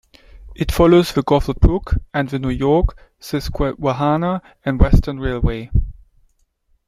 It follows the Goffle Brook and the New York, Susquehanna and Western Railway.